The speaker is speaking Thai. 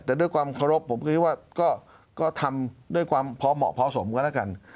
แต่ด้วยความเคารพผมก็คิดว่าก็ทำด้วยความพอเหมาะพอสมกันแล้วกัน